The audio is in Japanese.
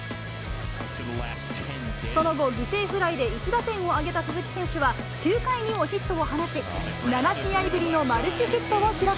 その後、犠牲フライで１打点を挙げた鈴木選手は、９回にもヒットを放ち、７試合ぶりのマルチヒットを記録。